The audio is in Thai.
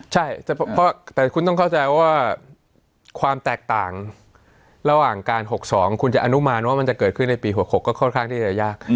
ใช่แต่คุณต้องเข้าใจว่าความแตกต่างระหว่างการ๖๒คุณจะอนุมานว่ามันจะเกิดขึ้นในปี๖๖ก็ค่อนข้างที่จะยาก